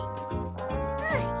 うん！